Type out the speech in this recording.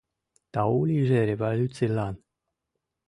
Тау лийже революцийлан!